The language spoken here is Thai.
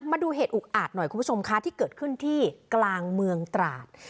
มาดูเหตุอุกอาจหน่อยคุณผู้ชมคะที่เกิดขึ้นที่กลางเมืองตราด